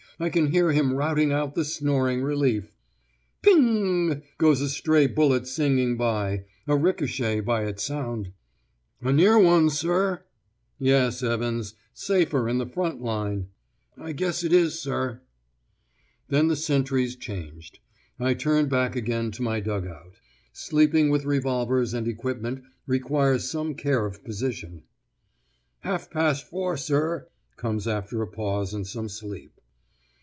I can hear him routing out the snoring relief. 'Ping g g g' goes a stray bullet singing by a ricochet by its sound. 'A near one, sir.' 'Yes, Evans. Safer in the front line.' 'I guess it is, sir.' Then, the sentries changed, I turn back again to my dug out. Sleeping with revolvers and equipment requires some care of position. 'Half past four, sir,' comes after a pause and some sleep.